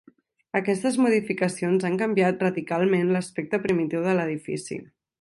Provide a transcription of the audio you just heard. Aquestes modificacions han canviat radicalment l'aspecte primitiu de l'edifici.